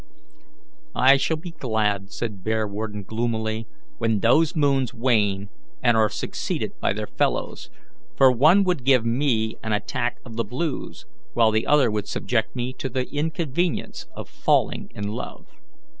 "I shall be glad," said Bearwarden, gloomily, "when those moons wane and are succeeded by their fellows, for one would give me an attack of the blues, while the other would subject me to the inconvenience of falling in love."